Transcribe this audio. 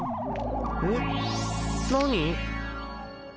えっ？何？